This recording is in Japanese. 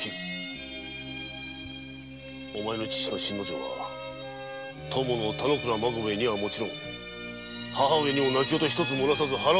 お前の父の信之丞は友の田之倉孫兵衛にはもちろん母上にも泣き言一つもらさず腹を切った立派な武士だ！